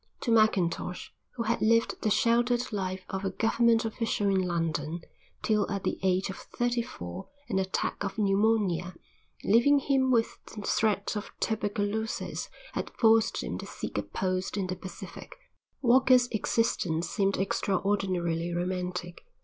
To Mackintosh, who had lived the sheltered life of a government official in London till at the age of thirty four an attack of pneumonia, leaving him with the threat of tuberculosis, had forced him to seek a post in the Pacific, Walker's existence seemed extraordinarily romantic.